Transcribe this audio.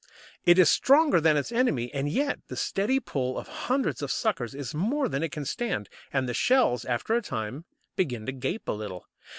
It is stronger than its enemy, and yet the steady pull of hundreds of suckers is more than it can stand, and the shells, after a time, begin to gape a little.